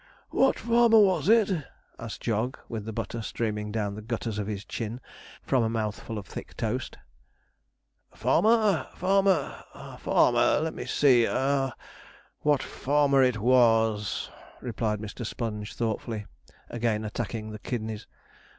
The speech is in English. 'What farmer was it?' asked Jog, with the butter streaming down the gutters of his chin from a mouthful of thick toast. 'Farmer farmer farmer let me see, what farmer it was,' replied Mr. Sponge thoughtfully, again attacking the kidneys.